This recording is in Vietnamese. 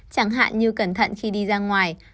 chẳng hạn như cẩn thận khi đi ra ngoài